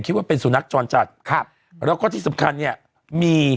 คิดว่าเป็นสุนัขจรจัดครับแล้วก็ที่สำคัญเนี่ยมี